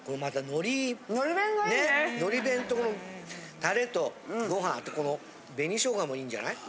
のり弁とこのタレとご飯あってこの紅しょうがもいいんじゃない？